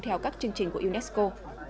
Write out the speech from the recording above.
theo các chương trình của unesco